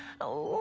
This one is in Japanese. あ。